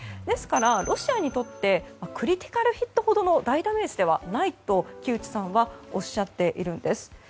ですから、ロシアにとってクリティカルヒットほどの大ダメージではないと木内さんはおっしゃっているんです。